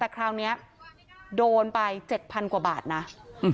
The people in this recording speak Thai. แต่คราวนี้โดนไปเจ็ดพันกว่าบาทนะ